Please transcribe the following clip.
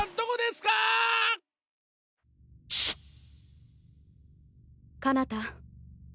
かなた。